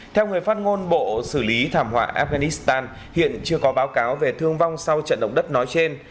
theo người phát ngôn bộ xử lý thảm họa afghanistan hiện chưa có báo cáo về thương vong sau trận động đất nói trên